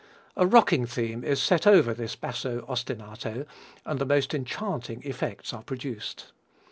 A rocking theme is set over this basso ostinato and the most enchanting effects are produced.